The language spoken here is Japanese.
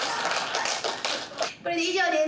これで以上です。